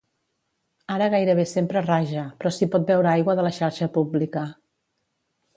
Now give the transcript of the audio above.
Ara gairebé sempre raja, però s'hi pot beure aigua de la xarxa pública.